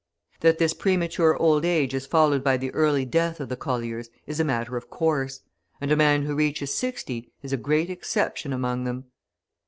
That this premature old age is followed by the early death of the colliers is a matter of course, and a man who reaches sixty is a great exception among them.